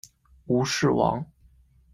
吴氏亡。